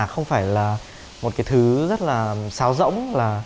không phải là một cái thứ rất là xáo rỗng là